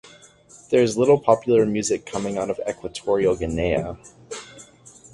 There is little popular music coming out of Equatorial Guinea.